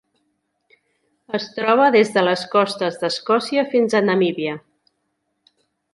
Es troba des de les costes d'Escòcia fins a Namíbia.